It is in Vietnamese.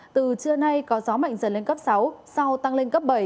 từ trưa nay có gió mạnh dần lên cấp sáu sau tăng lên cấp bảy